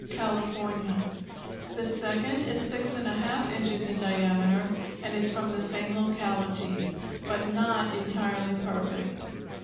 California; the second is 6½ inches in diameter and is from the same locality, but not entirely perfect.